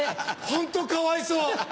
ホントかわいそう！